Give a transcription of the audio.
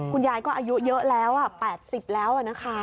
คุณยายก็อายุเยอะแล้ว๘๐แล้วนะคะ